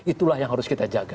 itulah yang harus kita jaga